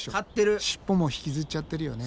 尻尾も引きずっちゃってるよね。